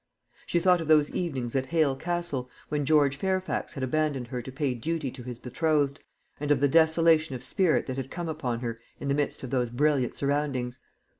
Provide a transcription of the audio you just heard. She thought of those evenings at Hale Castle, when George Fairfax had abandoned her to pay duty to his betrothed, and of the desolation of spirit that had come upon her in the midst of those brilliant surroundings.